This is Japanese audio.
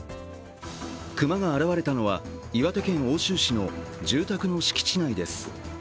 熊が現れたのは岩手県奥州市の住宅の敷地内です。